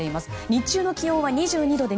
日中の気温は２２度で